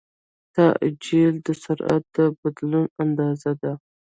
تعجیل د سرعت د بدلون اندازه ده.